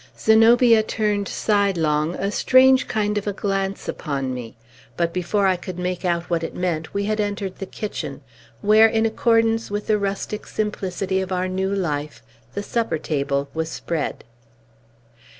Zenobia turned, sidelong, a strange kind of a glance upon me; but, before I could make out what it meant, we had entered the kitchen, where, in accordance with the rustic simplicity of our new life, the supper table was spread.